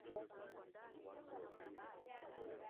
oka mkatempaka uone rangi ya kahawia